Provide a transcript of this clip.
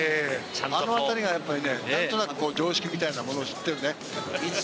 あのあたりが何となく常識みたいなものを知ってるね。